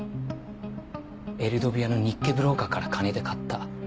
エルドビアの日系ブローカーから金で買った。